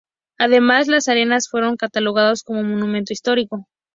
Además las Arenas fueron catalogadas como monumento histórico.